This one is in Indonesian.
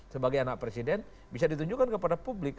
sebagai anak presiden bisa ditunjukkan kepada publik